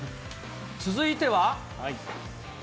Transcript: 続いては。